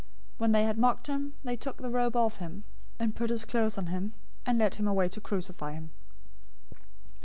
027:031 When they had mocked him, they took the robe off of him, and put his clothes on him, and led him away to crucify him.